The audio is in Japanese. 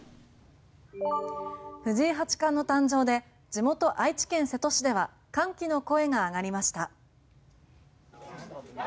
藤井八冠の誕生で地元・愛知県瀬戸市では歓喜の声が上がりました。